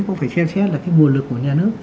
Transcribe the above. cũng phải xem xét là cái nguồn lực của nhà nước